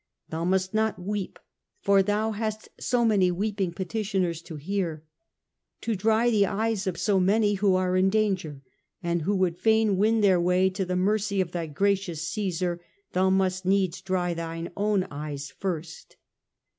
Thou must not weep, for thou hast so many weeping petitioners to hear. To dry the tears of so many who are in danger, and would fain win their way to the mercy of thy gracious Caesar, thou must needs dry thine own eyes first.